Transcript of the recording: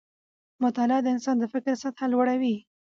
مطالعه د انسان د فکر سطحه لوړه وي